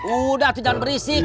udah jangan berisik